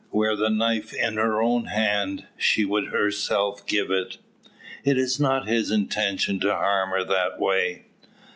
Were the knife in her own hand, she would herself give it. It is not his intention to harm her that way.